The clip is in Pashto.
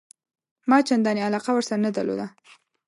ما چنداني علاقه ورسره نه درلوده.